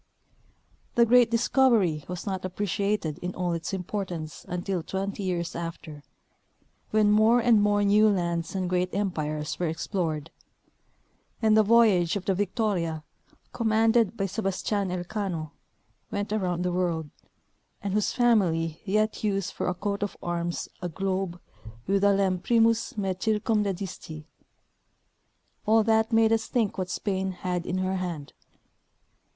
The great discovery was not appreciated in all its InqDortance until twenty years after, when more and more new lands and great empires were explored ; and the voyage of the Victoria, com manded by Sebastian Elcano, went around the world, and whose family yet use for a coat of arms a globe with the lem primus me circumdedisti ; all that made us think what Spain had in her hand.